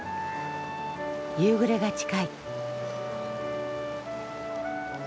夕暮れが近い。